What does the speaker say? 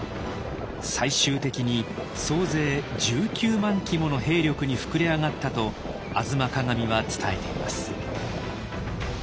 最終的に総勢１９万騎もの兵力に膨れ上がったと「吾妻鏡」は伝えています。